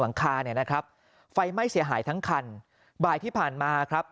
หลังคาเนี่ยนะครับไฟไหม้เสียหายทั้งคันบ่ายที่ผ่านมาครับ